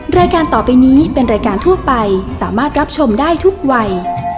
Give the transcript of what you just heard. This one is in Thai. รายการต่อไปนี้เป็นรายการทั่วไปสามารถรับชมได้ทุกวัย